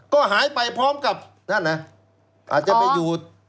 ก็หายไปพร้อมกับนั่นนะอาจจะไปอยู่